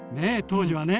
当時はね